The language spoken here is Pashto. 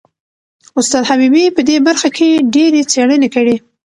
استاد حبیبي په دې برخه کې ډېرې څېړنې کړي.